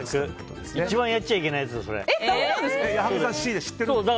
一番やっちゃいけないやつだ。